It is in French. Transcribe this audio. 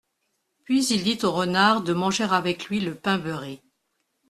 Puis il dit au renard de manger avec lui le pain beurré.